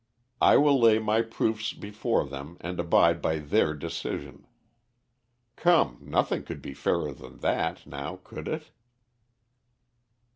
I will lay my proofs before them and abide by their decision. Come, nothing could be fairer than that, now could it?"